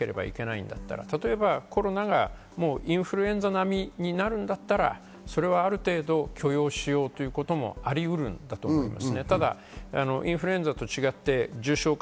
しばらくコロナとつき合っていかなければいけないんだったらコロナがインフルエンザ並みになるんだったらそれはある程度、許容しようということもありうるんだと思います。